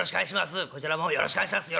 こちらもよろしくお願いします